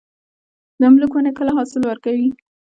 د املوک ونې کله حاصل ورکوي؟